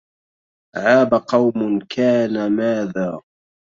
عاب قوم كان ماذا